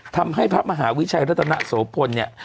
ทำให้พระมหาวิชัยรัตนโสพลเนี่ย